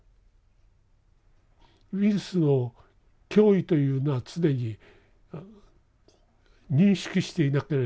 ウイルスの脅威というのは常に認識していなければいけない。